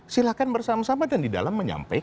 silahkan bersama sama dan di dalam menyampaikan